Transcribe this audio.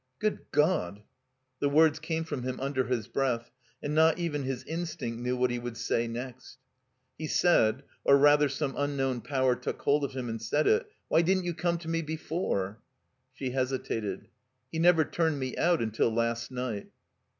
"Good God —" The words came from him tmder his breath, and not even his instinct knew what he would say next. He said — or rather some unknown power took hold of him and said it — "Why didn't you come to me before?" She hesitated. "He never turned me out until last night."